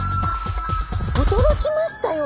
驚きましたよ！